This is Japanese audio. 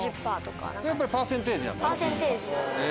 やっぱりパーセンテージなんだね。